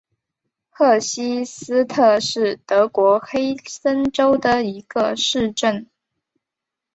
赫希斯特是德国黑森州的一个市镇。